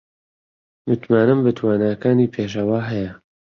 متمانەم بە تواناکانی پێشەوا هەیە.